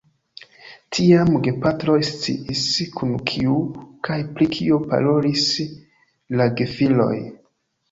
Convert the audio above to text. Tiam gepatroj sciis, kun kiu kaj pri kio parolis la gefiloj.